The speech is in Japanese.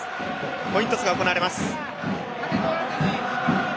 コイントスが行われます。